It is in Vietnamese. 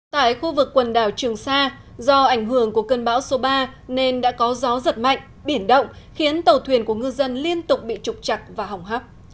tại khu vực quần đảo trường sa do ảnh hưởng của cơn bão số ba nên đã có gió giật mạnh biển động khiến tàu thuyền của ngư dân liên tục bị trục chặt và hỏng hóc